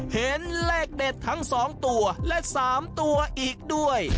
เห็นเลขเด็ดทั้ง๒ตัวและ๓ตัวอีกด้วย